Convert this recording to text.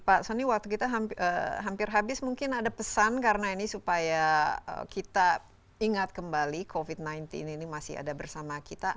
pak soni waktu kita hampir habis mungkin ada pesan karena ini supaya kita ingat kembali covid sembilan belas ini masih ada bersama kita